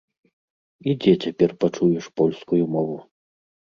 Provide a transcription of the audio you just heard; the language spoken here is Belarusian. І дзе цяпер пачуеш польскую мову?